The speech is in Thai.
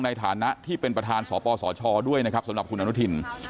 ในฐานะที่เป็นประธานสปสชด้วยนะครับสำหรับคุณอนุทิน